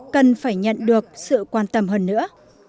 cần phải nhận được sự quan tâm hơn nữa